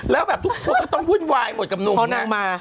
แล้วก็ต้องวื่นวายทุกคนกับนุ่มพอนางมา